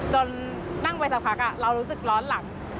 นั่งไปสักพักเรารู้สึกร้อนหลัง